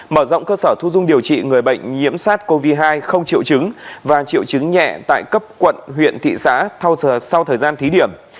mở rộng cơ sở thu dung điều trị người bệnh nhiễm sát covid một mươi chín không triệu chứng và triệu chứng nhẹ tại cấp quận huyện thị xã sau thời gian thí điểm